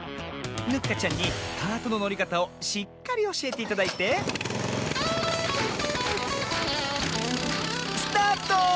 ヌッカちゃんにカートののりかたをしっかりおしえていただいてスタート！